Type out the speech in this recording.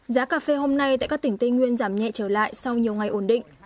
giá cà phê hôm nay tại các tỉnh tây nguyên giảm nhẹ trở lại sau nhiều ngày ổn định